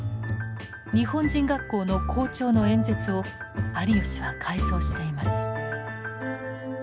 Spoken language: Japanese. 日本人学校の校長の演説を有吉は回想しています。